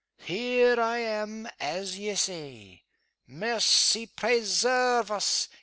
"There I am as ye say. Mercy presairve us!